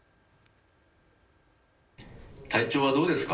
体調はどうですか。